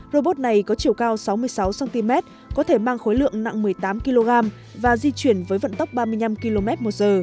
robot này có chiều cao sáu mươi sáu cm có thể mang khối lượng nặng một mươi tám kg và di chuyển với vận tốc ba mươi năm kmh